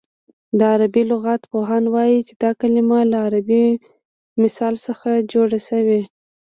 د عربي لغت پوهان وايي چې دا کلمه له عربي مثل څخه جوړه شوې